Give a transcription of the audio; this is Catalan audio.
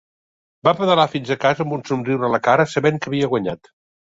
Va pedalar fins a casa amb un somriure a la cara sabent que havia guanyat.